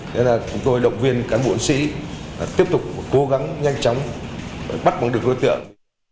nên là chúng tôi động viên cán bộ sĩ tiếp tục cố gắng nhanh chóng bắt bắn được đối tượng